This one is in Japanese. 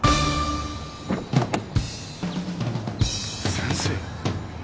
・先生？